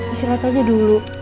istirahat aja dulu